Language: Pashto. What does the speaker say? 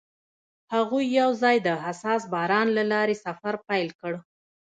هغوی یوځای د حساس باران له لارې سفر پیل کړ.